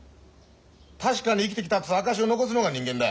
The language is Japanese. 確かに生きてきたっつう証しを残すのが人間だ。